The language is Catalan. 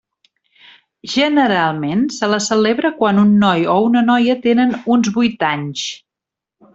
Generalment se la celebra quan un noi o una noia tenen uns vuit anys.